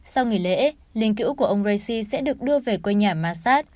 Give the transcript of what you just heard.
sau nghỉ lễ linh cữu của ông raisi sẽ được đưa về quê nhà masat